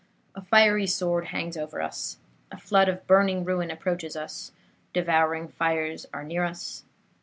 A fiery sword hangs over us. A flood of burning ruin approaches us. Devouring fires are near us.